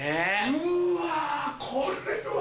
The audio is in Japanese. うわこれは。